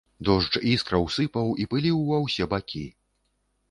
Дождж іскраў сыпаў і пыліў ва ўсе бакі.